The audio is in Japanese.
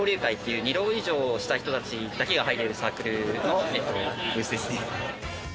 東大多浪交流会という、２浪以上の人たちだけが入れるサークルの部室ですね。